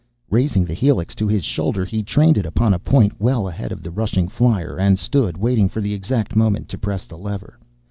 Raising the helix to his shoulder, he trained it upon a point well ahead of the rushing flier, and stood waiting for the exact moment to press the lever.